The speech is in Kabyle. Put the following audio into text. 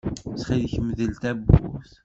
Ttxil-k mdel tawwurt.